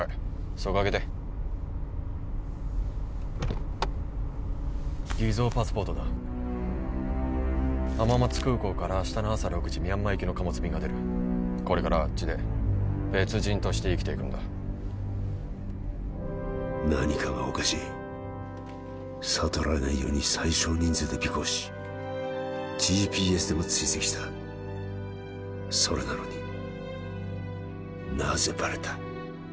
そこ開けて偽造パスポートだ浜松空港から明日の朝６時ミャンマー行きの貨物便が出るこれからはあっちで別人として生きていくんだ何かがおかしい悟られないように最少人数で尾行しＧＰＳでも追跡したそれなのになぜバレた？